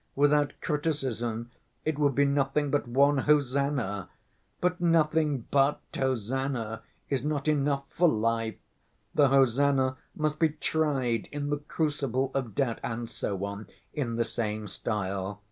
Without criticism it would be nothing but one 'hosannah.' But nothing but hosannah is not enough for life, the hosannah must be tried in the crucible of doubt and so on, in the same style.